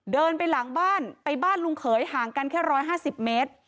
เดินไปหลังบ้านไปบ้านลุงเขยห่างกันแค่๑๕๐เมตร